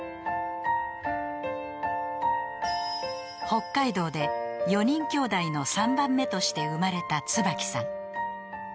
［北海道で４人きょうだいの３番目として生まれたつばきさん］